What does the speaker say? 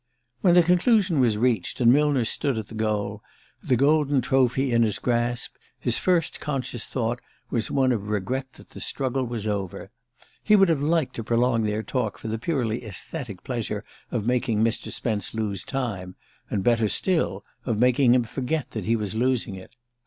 When the conclusion was reached, and Millner stood at the goal, the golden trophy in his grasp, his first conscious thought was one of regret that the struggle was over. He would have liked to prolong their talk for the purely aesthetic pleasure of making Mr. Spence lose time, and, better still, of making him forget that he was losing it.